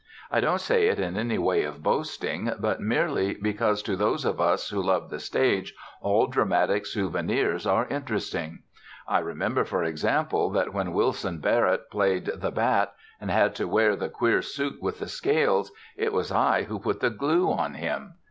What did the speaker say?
I don't say it in any way of boasting, but merely because to those of us who love the stage all dramatic souvenirs are interesting. I remember, for example, that when Wilson Barrett played "The Bat" and had to wear the queer suit with the scales, it was I who put the glue on him.